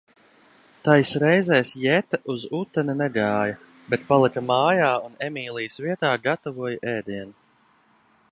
Tais reizēs Jeta uz uteni negāja, bet palika mājā un Emīlijas vietā gatavoja ēdienu.